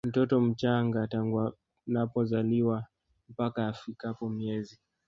mtoto mchanga tangu anapozaliwa mpaka afikapo miezi